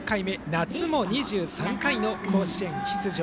夏も２３回の甲子園出場。